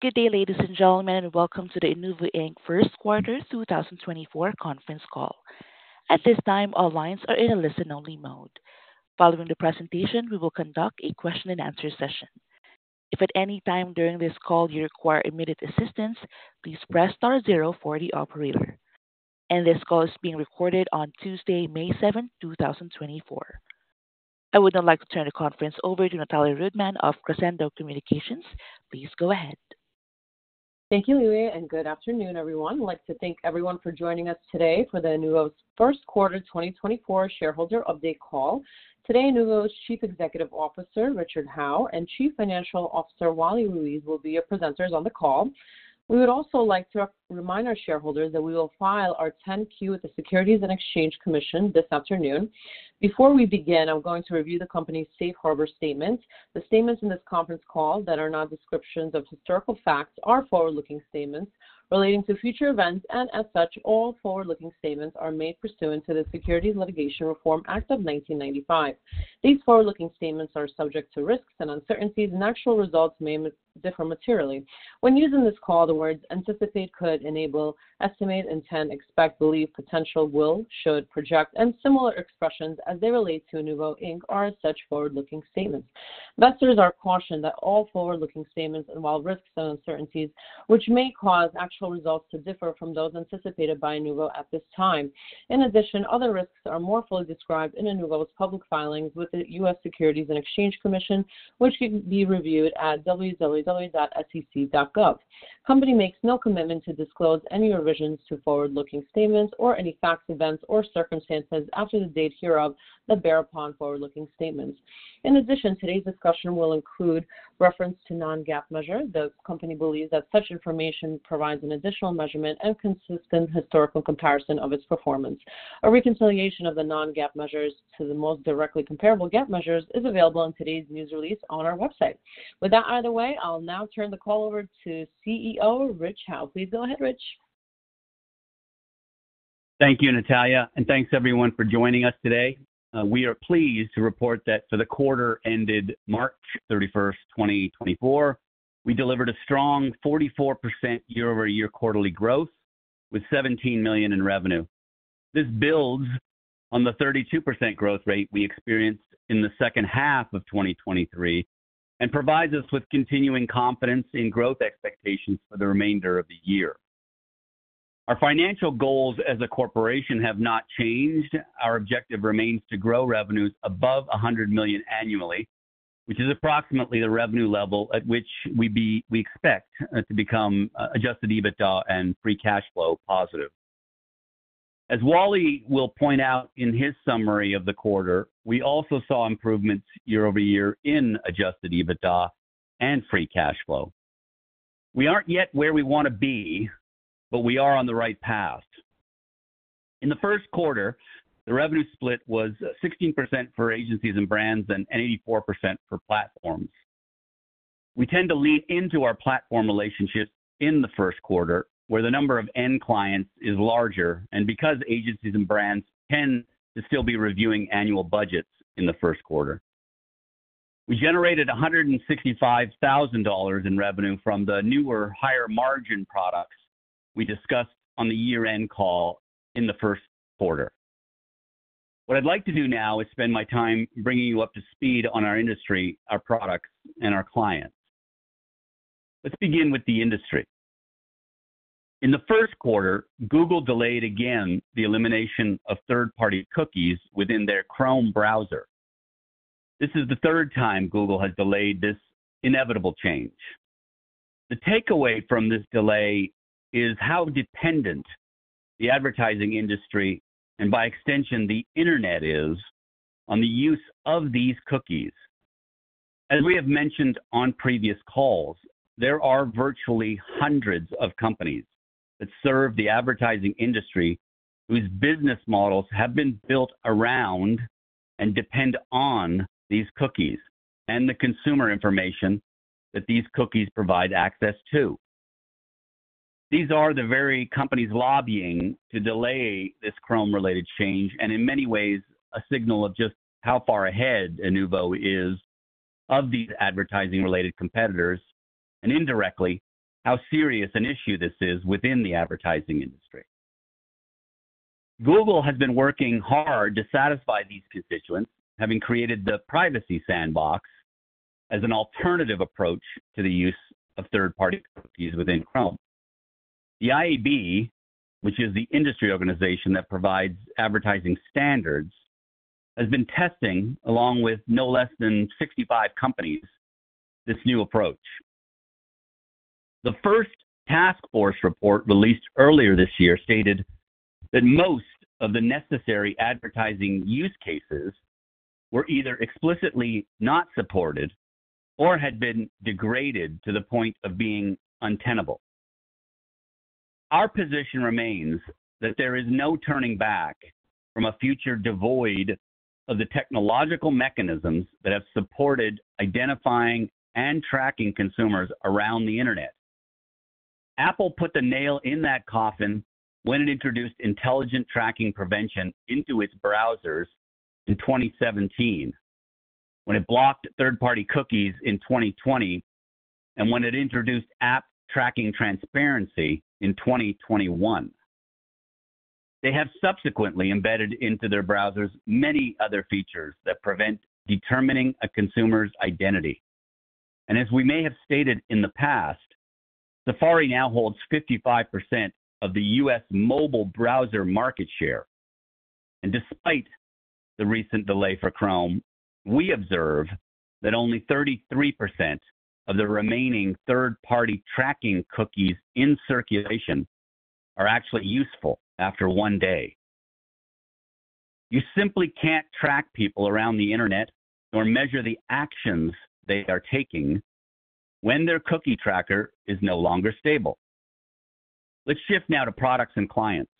Good day, ladies and gentlemen, and welcome to the Inuvo, Inc. First Quarter 2024 Conference Call. At this time, all lines are in a listen-only mode. Following the presentation, we will conduct a question and answer session. If at any time during this call you require immediate assistance, please press star zero for the operator. This call is being recorded on Tuesday, May 7, 2024. I would now like to turn the conference over to Natalia Rudman of Crescendo Communications. Please go ahead. Thank you, Leo, and good afternoon, everyone. I'd like to thank everyone for joining us today for the Inuvo's First Quarter 2024 shareholder update call. Today, Inuvo's Chief Executive Officer, Richard Howe, and Chief Financial Officer, Wally Ruiz, will be your presenters on the call. We would also like to remind our shareholders that we will file our 10-Q with the Securities and Exchange Commission this afternoon. Before we begin, I'm going to review the company's Safe Harbor statement. The statements in this conference call that are not descriptions of historical facts are forward-looking statements relating to future events, and as such, all forward-looking statements are made pursuant to the Securities Litigation Reform Act of 1995. These forward-looking statements are subject to risks and uncertainties, and actual results may differ materially. When using this call, the words anticipate, could, enable, estimate, intend, expect, believe, potential, will, should, project, and similar expressions as they relate to Inuvo Inc. are such forward-looking statements. Investors are cautioned that all forward-looking statements involve risks and uncertainties which may cause actual results to differ from those anticipated by Inuvo at this time. In addition, other risks are more fully described in Inuvo's public filings with the U.S. Securities and Exchange Commission, which can be reviewed at www.sec.gov. Company makes no commitment to disclose any revisions to forward-looking statements or any facts, events, or circumstances after the date hereof that bear upon forward-looking statements. In addition, today's discussion will include reference to non-GAAP measures. The Company believes that such information provides an additional measurement and consistent historical comparison of its performance. A reconciliation of the non-GAAP measures to the most directly comparable GAAP measures is available in today's news release on our website. With that out of the way, I'll now turn the call over to CEO, Rich Howe. Please go ahead, Rich. Thank you, Natalia, and thanks everyone for joining us today. We are pleased to report that for the quarter ended March 31, 2024, we delivered a strong 44% year-over-year quarterly growth with $17 million in revenue. This builds on the 32% growth rate we experienced in the second half of 2023 and provides us with continuing confidence in growth expectations for the remainder of the year. Our financial goals as a corporation have not changed. Our objective remains to grow revenues above $100 million annually, which is approximately the revenue level at which we expect to become adjusted EBITDA and free cash flow positive. As Wally will point out in his summary of the quarter, we also saw improvements year-over-year in adjusted EBITDA and free cash flow. We aren't yet where we want to be, but we are on the right path. In the first quarter, the revenue split was 16% for agencies and brands and 84% for platforms. We tend to lean into our platform relationships in the first quarter, where the number of end clients is larger, and because agencies and brands tend to still be reviewing annual budgets in the first quarter. We generated $165,000 in revenue from the newer, higher-margin products we discussed on the year-end call in the first quarter. What I'd like to do now is spend my time bringing you up to speed on our industry, our products, and our clients. Let's begin with the industry. In the first quarter, Google delayed again the elimination of third-party cookies within their Chrome browser. This is the third time Google has delayed this inevitable change. The takeaway from this delay is how dependent the advertising industry, and by extension, the internet is, on the use of these cookies. As we have mentioned on previous calls, there are virtually hundreds of companies that serve the advertising industry, whose business models have been built around and depend on these cookies and the consumer information that these cookies provide access to. These are the very companies lobbying to delay this Chrome-related change and in many ways, a signal of just how far ahead Inuvo is of these advertising-related competitors, and indirectly, how serious an issue this is within the advertising industry. Google has been working hard to satisfy these constituents, having created the Privacy Sandbox as an alternative approach to the use of third-party cookies within Chrome. The IAB, which is the industry organization that provides advertising standards, has been testing, along with no less than 65 companies, this new approach. The first task force report, released earlier this year, stated that most of the necessary advertising use cases were either explicitly not supported or had been degraded to the point of being untenable. Our position remains that there is no turning back from a future devoid of the technological mechanisms that have supported identifying and tracking consumers around the internet.... Apple put the nail in that coffin when it introduced Intelligent Tracking Prevention into its browsers in 2017, when it blocked third-party cookies in 2020, and when it introduced App Tracking Transparency in 2021. They have subsequently embedded into their browsers many other features that prevent determining a consumer's identity. As we may have stated in the past, Safari now holds 55% of the U.S. mobile browser market share. Despite the recent delay for Chrome, we observe that only 33% of the remaining third-party tracking cookies in circulation are actually useful after one day. You simply can't track people around the internet or measure the actions they are taking when their cookie tracker is no longer stable. Let's shift now to products and clients.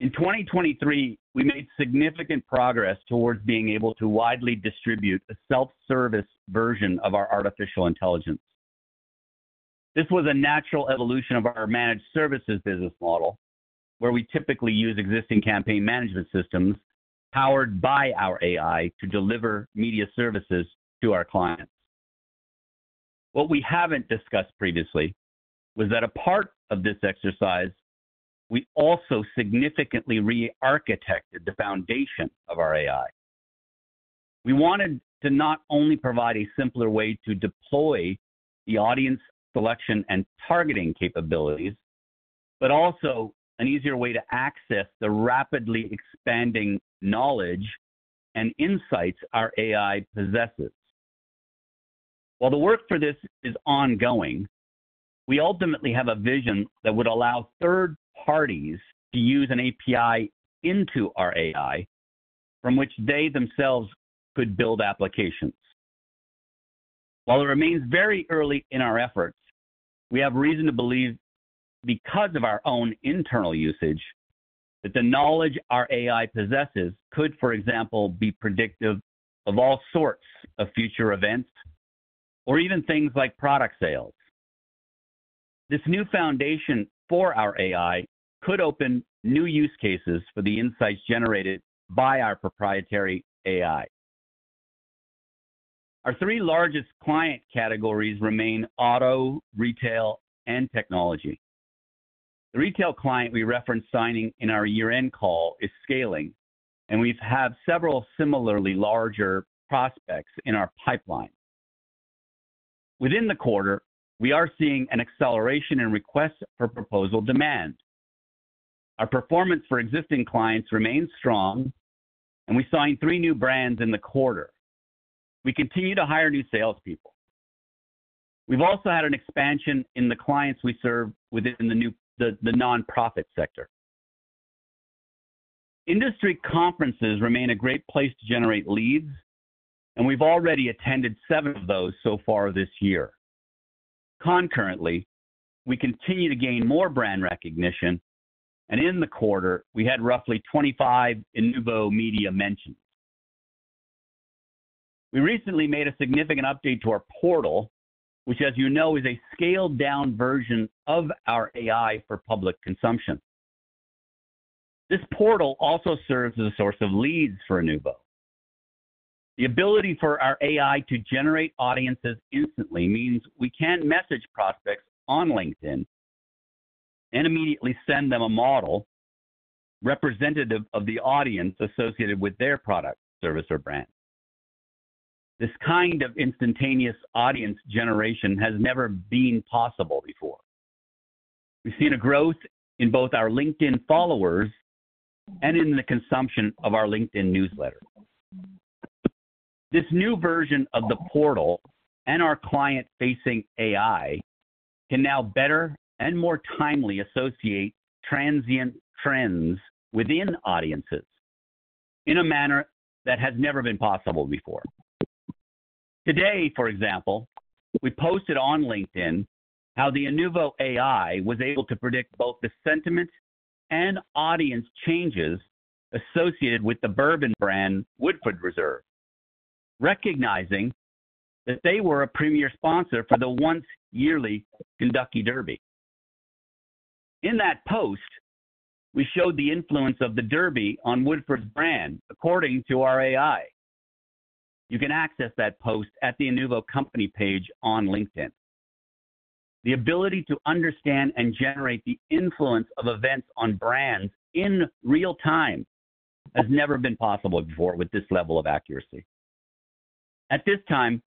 In 2023, we made significant progress towards being able to widely distribute a self-service version of our artificial intelligence. This was a natural evolution of our managed services business model, where we typically use existing campaign management systems powered by our AI to deliver media services to our clients. What we haven't discussed previously was that a part of this exercise, we also significantly rearchitected the foundation of our AI. We wanted to not only provide a simpler way to deploy the audience selection and targeting capabilities, but also an easier way to access the rapidly expanding knowledge and insights our AI possesses. While the work for this is ongoing, we ultimately have a vision that would allow third parties to use an API into our AI, from which they themselves could build applications. While it remains very early in our efforts, we have reason to believe, because of our own internal usage, that the knowledge our AI possesses could, for example, be predictive of all sorts of future events or even things like product sales. This new foundation for our AI could open new use cases for the insights generated by our proprietary AI. Our three largest client categories remain auto, retail, and technology. The retail client we referenced signing in our year-end call is scaling, and we've had several similarly larger prospects in our pipeline. Within the quarter, we are seeing an acceleration in requests for proposal demand. Our performance for existing clients remains strong, and we signed 3 new brands in the quarter. We continue to hire new salespeople. We've also had an expansion in the clients we serve within the new nonprofit sector. Industry conferences remain a great place to generate leads, and we've already attended 7 of those so far this year. Concurrently, we continue to gain more brand recognition, and in the quarter, we had roughly 25 Inuvo media mentions. We recently made a significant update to our portal, which, as you know, is a scaled-down version of our AI for public consumption. This portal also serves as a source of leads for Inuvo. The ability for our AI to generate audiences instantly means we can message prospects on LinkedIn and immediately send them a model representative of the audience associated with their product, service, or brand. This kind of instantaneous audience generation has never been possible before. We've seen a growth in both our LinkedIn followers and in the consumption of our LinkedIn newsletter. This new version of the portal and our client-facing AI can now better and more timely associate transient trends within audiences in a manner that has never been possible before. Today, for example, we posted on LinkedIn how the Inuvo AI was able to predict both the sentiment and audience changes associated with the bourbon brand Woodford Reserve, recognizing that they were a premier sponsor for the once yearly Kentucky Derby. In that post, we showed the influence of the Derby on Woodford's brand according to our AI. You can access that post at the Inuvo company page on LinkedIn. The ability to understand and generate the influence of events on brands in real time has never been possible before with this level of accuracy. At this time,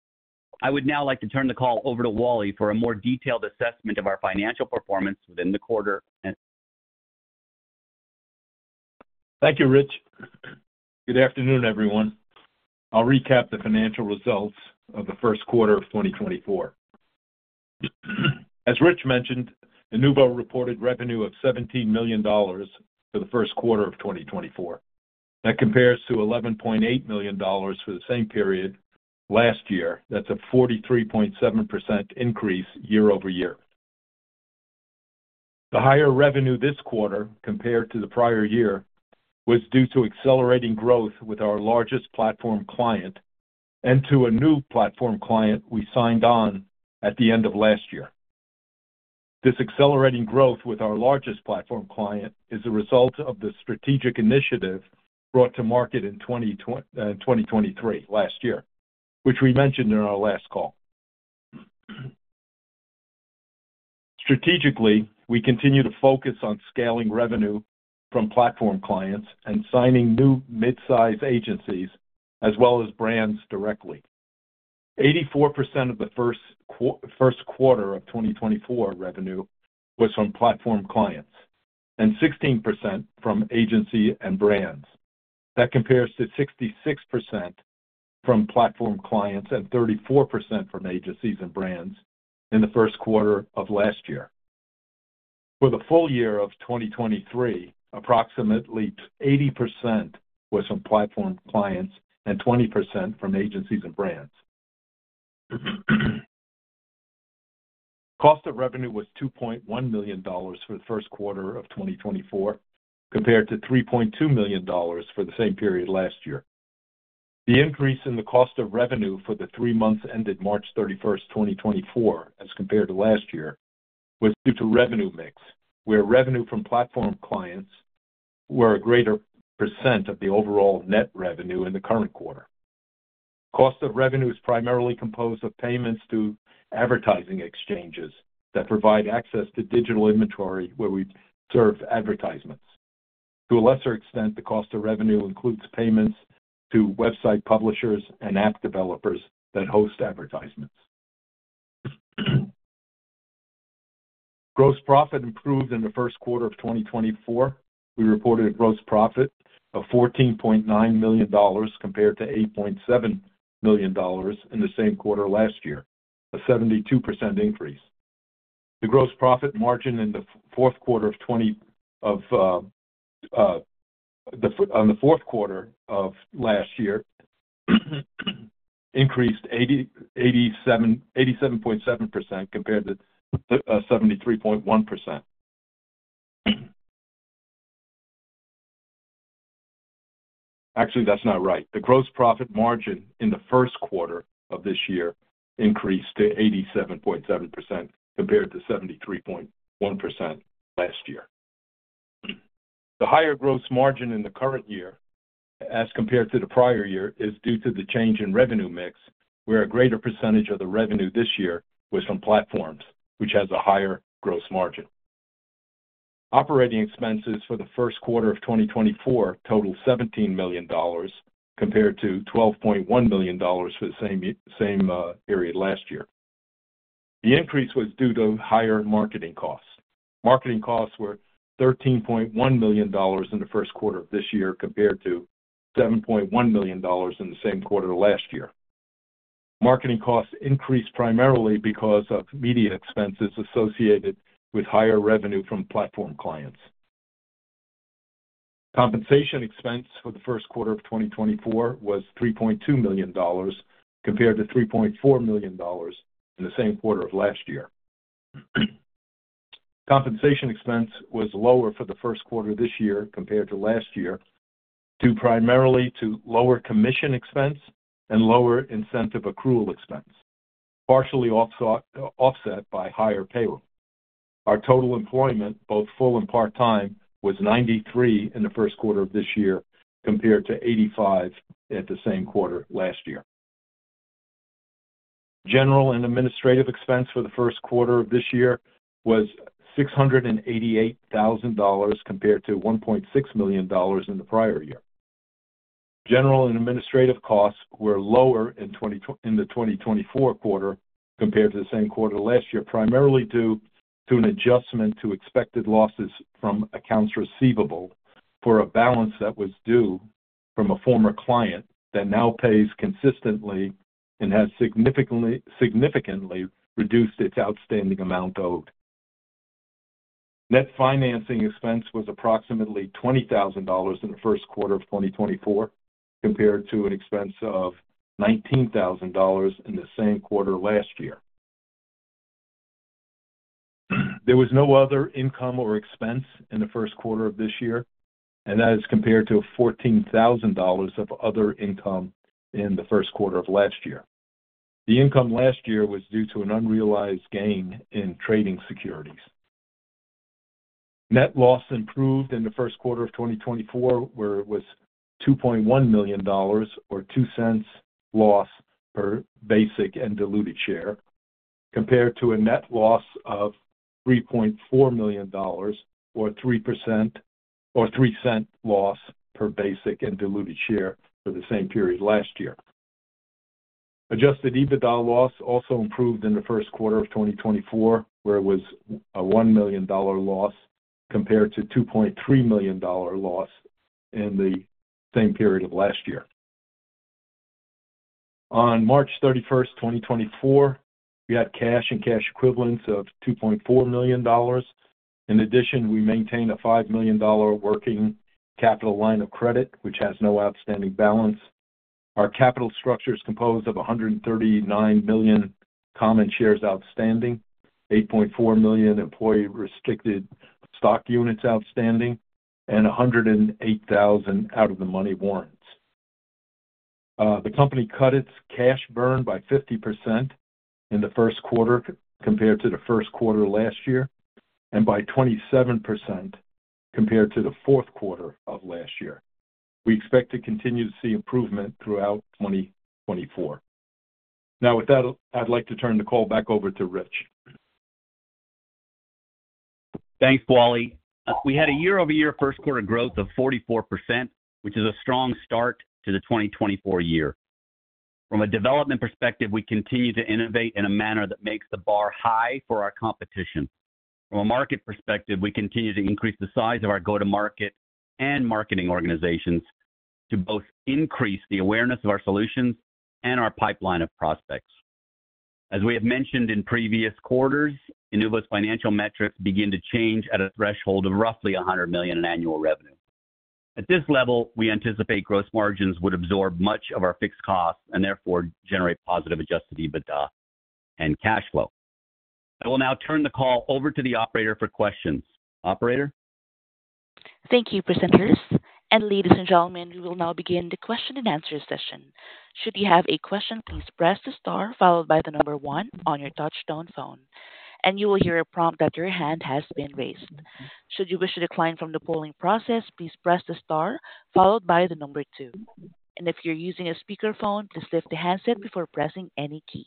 I would now like to turn the call over to Wally for a more detailed assessment of our financial performance within the quarter and- Thank you, Rich. Good afternoon, everyone. I'll recap the financial results of the first quarter of 2024. As Rich mentioned, Inuvo reported revenue of $17 million for the first quarter of 2024. That compares to $11.8 million for the same period last year. That's a 43.7% increase year-over-year.... The higher revenue this quarter compared to the prior year was due to accelerating growth with our largest platform client and to a new platform client we signed on at the end of last year. This accelerating growth with our largest platform client is a result of the strategic initiative brought to market in 2023, last year, which we mentioned in our last call. Strategically, we continue to focus on scaling revenue from platform clients and signing new mid-size agencies as well as brands directly. 84% of the first quarter of 2024 revenue was from platform clients and 16% from agency and brands. That compares to 66% from platform clients and 34% from agencies and brands in the first quarter of last year. For the full year of 2023, approximately 80% was from platform clients and 20% from agencies and brands. Cost of revenue was $2.1 million for the first quarter of 2024, compared to $3.2 million for the same period last year. The increase in the cost of revenue for the three months ended March 31, 2024, as compared to last year, was due to revenue mix, where revenue from platform clients were a greater percent of the overall net revenue in the current quarter. Cost of revenue is primarily composed of payments to advertising exchanges that provide access to digital inventory where we serve advertisements. To a lesser extent, the cost of revenue includes payments to website publishers and app developers that host advertisements. Gross profit improved in the first quarter of 2024. We reported a gross profit of $14.9 million compared to $8.7 million in the same quarter last year, a 72% increase. The gross profit margin in the fourth quarter of last year increased 87.7% compared to 73.1%. Actually, that's not right. The gross profit margin in the first quarter of this year increased to 87.7%, compared to 73.1% last year. The higher gross margin in the current year as compared to the prior year, is due to the change in revenue mix, where a greater percentage of the revenue this year was from platforms which has a higher gross margin. Operating expenses for the first quarter of 2024 totaled $17 million, compared to $12.1 million for the same period last year. The increase was due to higher marketing costs. Marketing costs were $13.1 million in the first quarter of this year, compared to $7.1 million in the same quarter last year. Marketing costs increased primarily because of media expenses associated with higher revenue from platform clients. Compensation expense for the first quarter of 2024 was $3.2 million, compared to $3.4 million in the same quarter of last year. Compensation expense was lower for the first quarter this year compared to last year, due primarily to lower commission expense and lower incentive accrual expense, partially offset by higher payroll. Our total employment, both full and part-time, was 93 in the first quarter of this year, compared to 85 at the same quarter last year. General and administrative expense for the first quarter of this year was $688,000, compared to $1.6 million in the prior year. General and administrative costs were lower in the 2024 quarter compared to the same quarter last year, primarily due to an adjustment to expected losses from accounts receivable for a balance that was due from a former client that now pays consistently and has significantly, significantly reduced its outstanding amount owed. Net financing expense was approximately $20,000 in the first quarter of 2024, compared to an expense of $19,000 in the same quarter last year. There was no other income or expense in the first quarter of this year, and that is compared to $14,000 of other income in the first quarter of last year. The income last year was due to an unrealized gain in trading securities. Net loss improved in the first quarter of 2024, where it was $2.1 million or $0.02 loss per basic and diluted share, compared to a net loss of $3.4 million or 3%- or $0.03 loss per basic and diluted share for the same period last year. Adjusted EBITDA loss also improved in the first quarter of 2024, where it was a $1 million loss, compared to $2.3 million loss in the same period of last year. On March 31, 2024, we had cash and cash equivalents of $2.4 million. In addition, we maintained a $5 million working capital line of credit, which has no outstanding balance. Our capital structure is composed of 139 million common shares outstanding, 8.4 million employee restricted stock units outstanding, and 108,000 out of the money warrants. The company cut its cash burn by 50% in the first quarter compared to the first quarter last year, and by 27% compared to the fourth quarter of last year. We expect to continue to see improvement throughout 2024. Now with that, I'd like to turn the call back over to Rich. Thanks, Wally. We had a year-over-year first quarter growth of 44%, which is a strong start to the 2024 year. From a development perspective, we continue to innovate in a manner that makes the bar high for our competition. From a market perspective, we continue to increase the size of our go-to-market and marketing organizations to both increase the awareness of our solutions and our pipeline of prospects. As we have mentioned in previous quarters, Inuvo's financial metrics begin to change at a threshold of roughly $100 million in annual revenue. At this level, we anticipate gross margins would absorb much of our fixed costs and therefore generate positive adjusted EBITDA and cash flow. I will now turn the call over to the operator for questions. Operator? Thank you, presenters. Ladies and gentlemen, we will now begin the question and answer session. Should you have a question, please press the star followed by the number 1 on your touchtone phone, and you will hear a prompt that your hand has been raised. Should you wish to decline from the polling process, please press the star followed by the number 2. If you're using a speakerphone, please lift the handset before pressing any keys.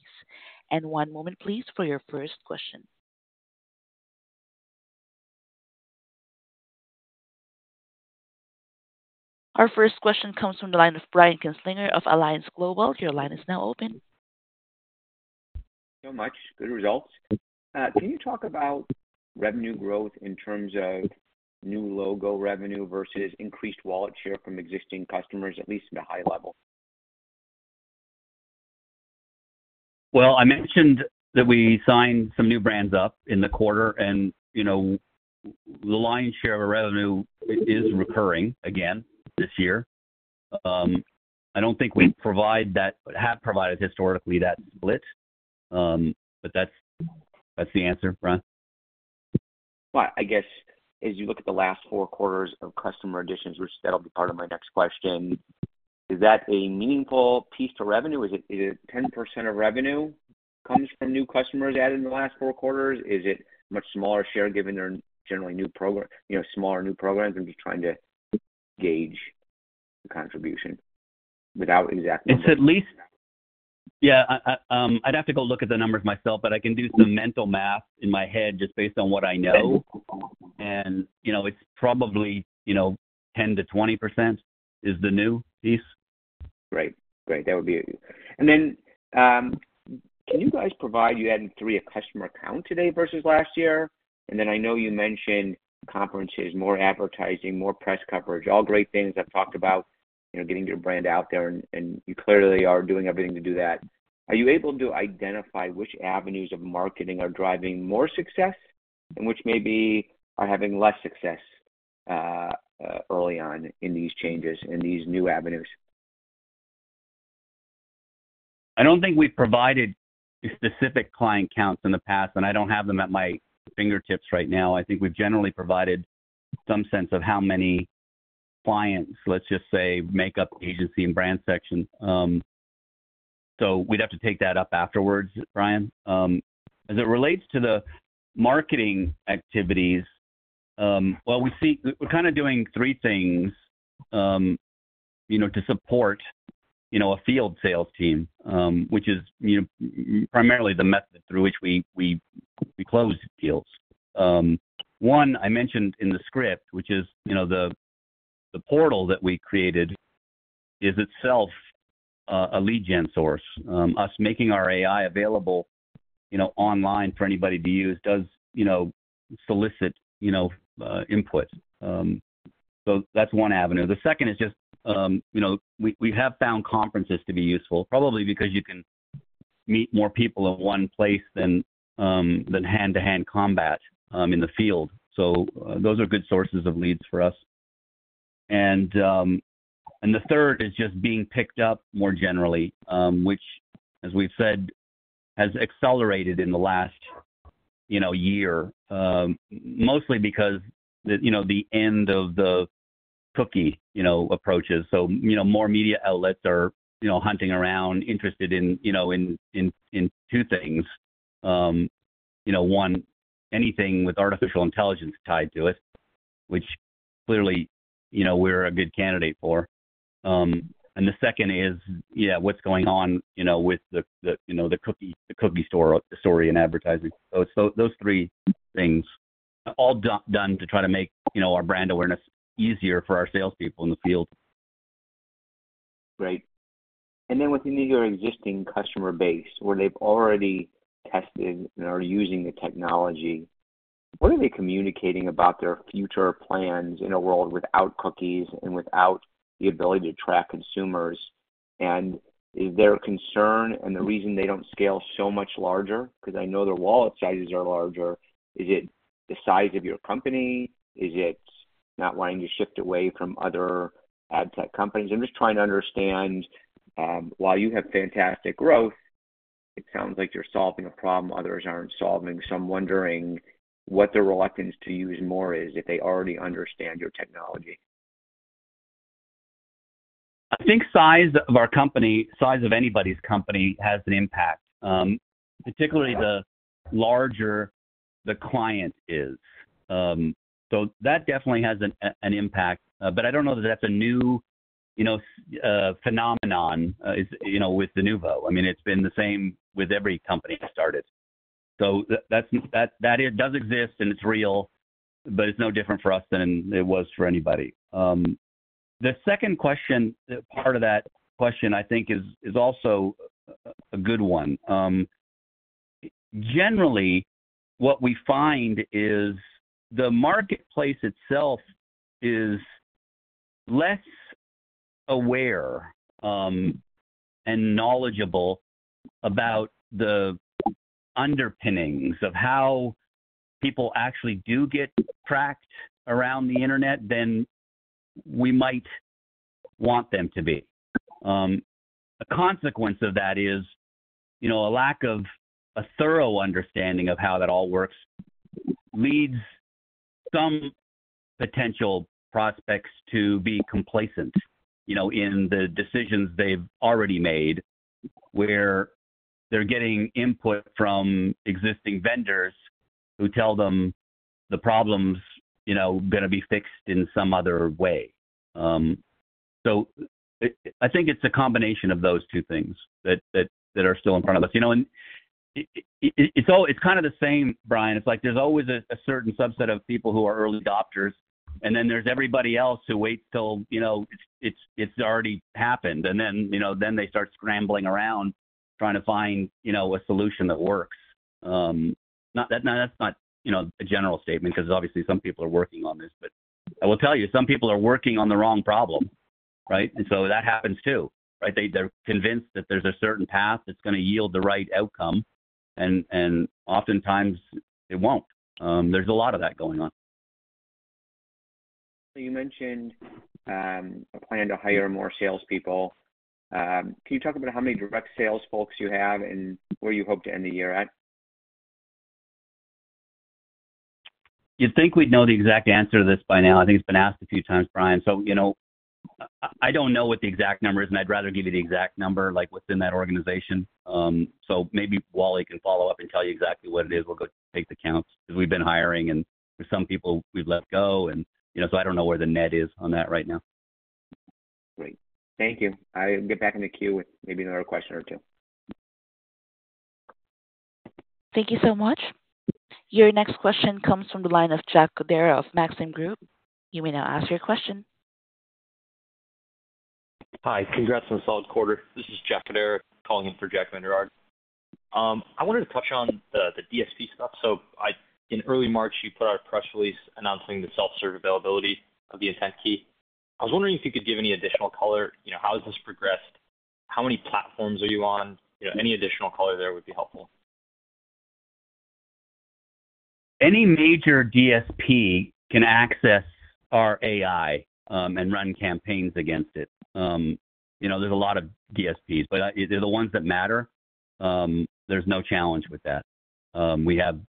One moment, please, for your first question. Our first question comes from the line of Brian Kinstlinger of Alliance Global Partners. Your line is now open. So much good results. Can you talk about revenue growth in terms of new logo revenue versus increased wallet share from existing customers, at least at a high level? Well, I mentioned that we signed some new brands up in the quarter, and, you know, the lion's share of our revenue is recurring again this year. I don't think we provide that, have provided historically that split, but that's, that's the answer, Brian. But I guess as you look at the last four quarters of customer additions, which that'll be part of my next question, is that a meaningful piece to revenue? Is it, is it 10% of revenue comes from new customers added in the last four quarters? Is it much smaller share given they're generally new program, you know, smaller new programs? I'm just trying to gauge the contribution without exactly- It's at least... Yeah, I'd have to go look at the numbers myself, but I can do some mental math in my head just based on what I know. You know, it's probably, you know, 10%-20% is the new piece. Great. Great. That would be it. And then, can you guys provide, you had 3 customer accounts today versus last year? And then I know you mentioned conferences, more advertising, more press coverage, all great things I've talked about, you know, getting your brand out there, and, and you clearly are doing everything to do that. Are you able to identify which avenues of marketing are driving more success and which maybe are having less success, early on in these changes, in these new avenues? I don't think we've provided specific client counts in the past, and I don't have them at my fingertips right now. I think we've generally provided some sense of how many clients, let's just say, make up agency and brand section. So we'd have to take that up afterwards, Brian. As it relates to the marketing activities, well, we see we're kind of doing three things, you know, to support, you know, a field sales team, which is, you know, primarily the method through which we close deals. One, I mentioned in the script, which is, you know, the portal that we created is itself a lead gen source. Us making our AI available, you know, online for anybody to use does, you know, solicit, you know, input. So that's one avenue. The second is just, you know, we have found conferences to be useful, probably because you can meet more people in one place than hand-to-hand combat in the field. So those are good sources of leads for us. And the third is just being picked up more generally, which, as we've said, has accelerated in the last, you know, year, mostly because the, you know, the end of the cookie, you know, approaches. So, you know, more media outlets are, you know, hunting around, interested in, you know, in two things. You know, one, anything with artificial intelligence tied to it, which clearly, you know, we're a good candidate for. And the second is, yeah, what's going on, you know, with the, you know, the cookie, the cookie story in advertising. So, those three things, all done to try to make, you know, our brand awareness easier for our salespeople in the field. Great. And then within your existing customer base, where they've already tested and are using the technology, what are they communicating about their future plans in a world without cookies and without the ability to track consumers and... Is there a concern and the reason they don't scale so much larger? Because I know their wallet sizes are larger. Is it the size of your company? Is it not wanting to shift away from other ad tech companies? I'm just trying to understand, while you have fantastic growth, it sounds like you're solving a problem others aren't solving. So I'm wondering what the reluctance to use more is, if they already understand your technology. I think size of our company, size of anybody's company has an impact, particularly the larger the client is. So that definitely has an impact. But I don't know that that's a new, you know, phenomenon, you know, with Inuvo. I mean, it's been the same with every company that started. So that does exist and it's real, but it's no different for us than it was for anybody. The second question, part of that question I think is also a good one. Generally, what we find is the marketplace itself is less aware and knowledgeable about the underpinnings of how people actually do get tracked around the internet than we might want them to be. A consequence of that is, you know, a lack of a thorough understanding of how that all works, leads some potential prospects to be complacent, you know, in the decisions they've already made, where they're getting input from existing vendors who tell them the problem's, you know, gonna be fixed in some other way. So I think it's a combination of those two things that are still in front of us. You know, and it's all. It's kind of the same, Brian. It's like there's always a certain subset of people who are early adopters, and then there's everybody else who waits till, you know, it's already happened. And then, you know, then they start scrambling around trying to find, you know, a solution that works. That's not, you know, a general statement because obviously some people are working on this. But I will tell you, some people are working on the wrong problem, right? And so that happens, too, right? They're convinced that there's a certain path that's gonna yield the right outcome, and oftentimes it won't. There's a lot of that going on. So you mentioned a plan to hire more salespeople. Can you talk about how many direct sales folks you have and where you hope to end the year at? You'd think we'd know the exact answer to this by now. I think it's been asked a few times, Brian. So, you know, I, I don't know what the exact number is, and I'd rather give you the exact number, like, within that organization. So maybe Wally can follow up and tell you exactly what it is. We'll go take the counts, because we've been hiring, and there's some people we've let go, and, you know, so I don't know where the net is on that right now. Great. Thank you. I'll get back in the queue with maybe another question or two. Thank you so much. Your next question comes from the line of Jack Coderre of Maxim Group. You may now ask your question. Hi, congrats on a solid quarter. This is Jack Coderre, calling in for Jack Vander Aarde. I wanted to touch on the, the DSP stuff. So in early March, you put out a press release announcing the self-serve availability of the IntentKey. I was wondering if you could give any additional color, you know, how has this progressed? How many platforms are you on? You know, any additional color there would be helpful. Any major DSP can access our AI, and run campaigns against it. You know, there's a lot of DSPs, but, the ones that matter, there's no challenge with that.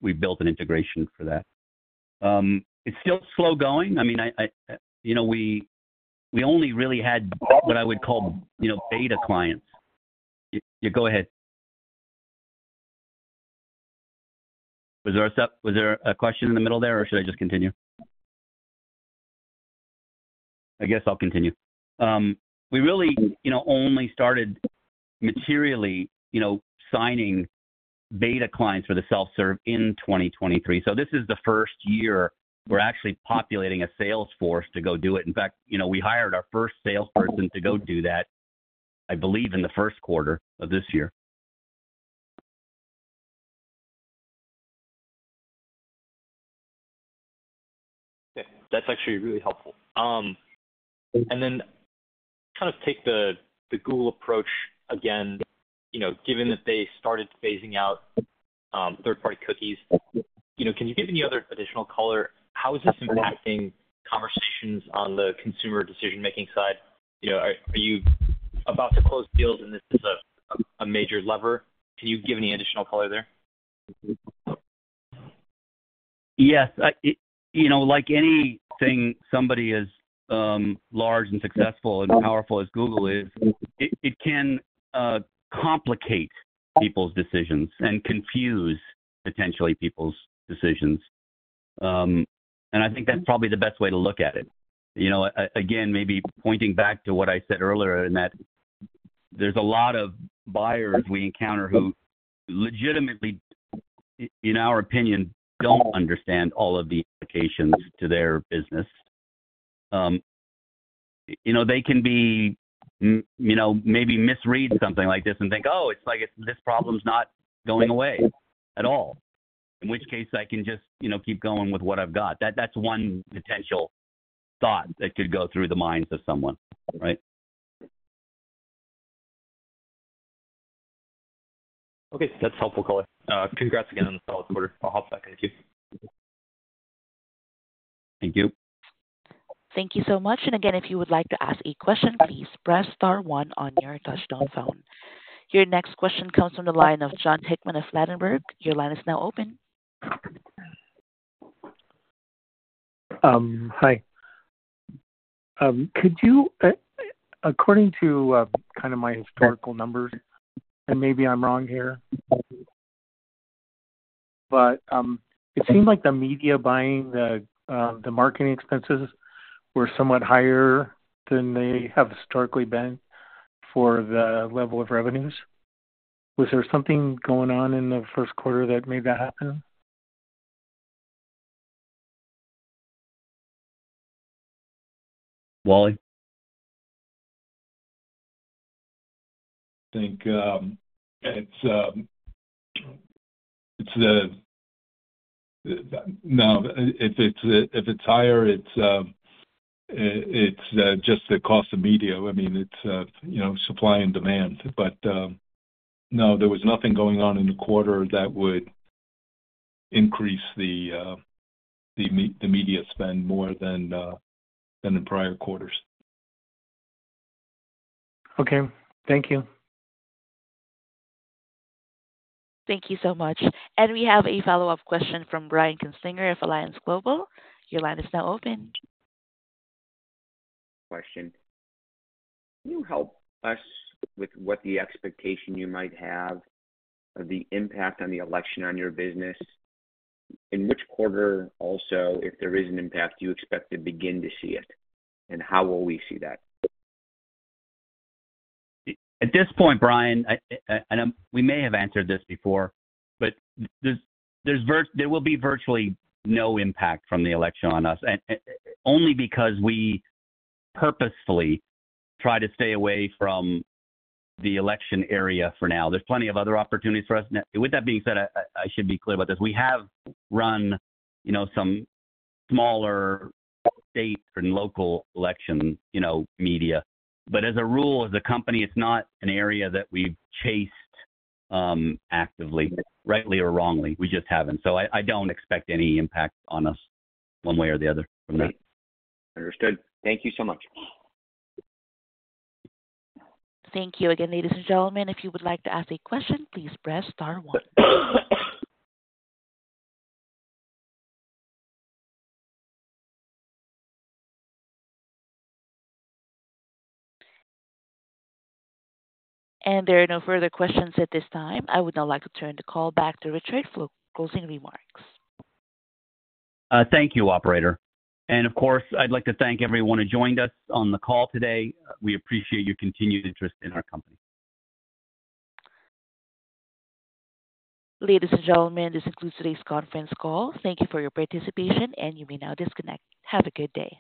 We've built an integration for that. It's still slow going. I mean. You know, we only really had what I would call, you know, beta clients. Yeah, go ahead. Was there a question in the middle there, or should I just continue? I guess I'll continue. We really, you know, only started materially, you know, signing beta clients for the self-serve in 2023. So this is the first year we're actually populating a sales force to go do it. In fact, you know, we hired our first salesperson to go do that, I believe, in the first quarter of this year. Okay. That's actually really helpful. And then kind of take the Google approach again, you know, given that they started phasing out third-party cookies, you know, can you give any other additional color? How is this impacting conversations on the consumer decision-making side? You know, are you about to close deals, and this is a major lever? Can you give any additional color there? Yes. I, you know, like anything, somebody as large and successful and powerful as Google is, it, it can complicate people's decisions and confuse, potentially, people's decisions. And I think that's probably the best way to look at it. You know, again, maybe pointing back to what I said earlier, in that there's a lot of buyers we encounter who legitimately, in our opinion, don't understand all of the implications to their business. You know, they can be, you know, maybe misread something like this and think, "Oh, it's like this problem's not going away at all, in which case I can just, you know, keep going with what I've got." That's one potential thought that could go through the minds of someone, right? Okay, that's helpful. Congrats again on the solid quarter. I'll hop back in queue. Thank you. Thank you so much, and again, if you would like to ask a question, please press star one on your touchtone phone. Your next question comes from the line of John Hickman of Ladenburg Thalmann. Your line is now open. Hi. Could you, according to kind of my historical numbers, and maybe I'm wrong here, but it seemed like the media buying, the marketing expenses were somewhat higher than they have historically been for the level of revenues. Was there something going on in the first quarter that made that happen? Wally? I think it's, no, if it's higher, it's just the cost of media. I mean, it's, you know, supply and demand. But no, there was nothing going on in the quarter that would increase the media spend more than the prior quarters. Okay, thank you. Thank you so much. We have a follow-up question from Brian Kinstlinger of Alliance Global Partners. Your line is now open. Can you help us with what the expectation you might have of the impact on the election on your business? In which quarter, also, if there is an impact, do you expect to begin to see it, and how will we see that? At this point, Brian, I and we may have answered this before, but there will be virtually no impact from the election on us, and only because we purposefully try to stay away from the election area for now. There's plenty of other opportunities for us. Now, with that being said, I should be clear about this. We have run, you know, some smaller state and local election, you know, media. But as a rule, as a company, it's not an area that we've chased actively, rightly or wrongly, we just haven't. So I don't expect any impact on us one way or the other from that. Understood. Thank you so much. Thank you again, ladies and gentlemen. If you would like to ask a question, please press star one. There are no further questions at this time. I would now like to turn the call back to Richard for closing remarks. Thank you, operator. And of course, I'd like to thank everyone who joined us on the call today. We appreciate your continued interest in our company. Ladies and gentlemen, this concludes today's conference call. Thank you for your participation, and you may now disconnect. Have a good day.